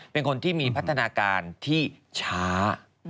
เป็นคนที่มีพัฒนาการที่ช้า